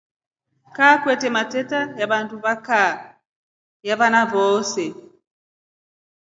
Kaa kwete mateta ya wandu wa kaa ya wana wose.